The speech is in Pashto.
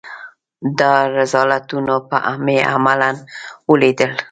دا رذالتونه مې عملاً وليدل.